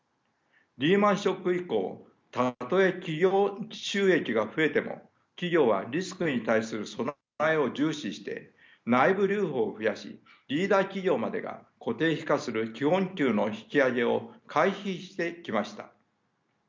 リーマンショック以降たとえ企業収益が増えても企業はリスクに対する備えを重視して内部留保を増やしリーダー企業までが固定費化する基本給の引き上げを回避してきました。